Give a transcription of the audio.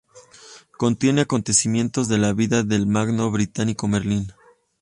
Contiene acontecimientos de la vida del mago británico Merlín.